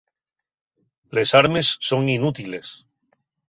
Les armes son inútiles.